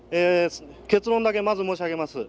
結論だけまず申し上げます。